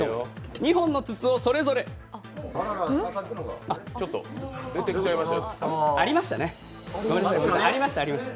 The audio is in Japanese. ２本の筒をそれぞれちょっと出てきちゃいましたよ。